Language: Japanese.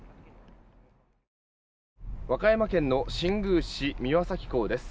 和歌山県の新宮市三輪崎港です。